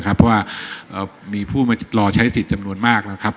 เพราะว่ามีผู้มารอใช้สิทธิ์จำนวนมากนะครับ